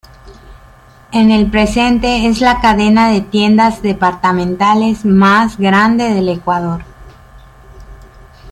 En el presente es la cadena de tiendas departamentales más grande del Ecuador.